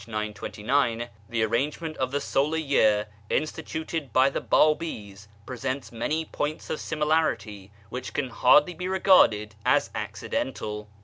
929), the arrangement of the solar year instituted by the Babis presents many points of similarity which can hardly be regarded as accidental.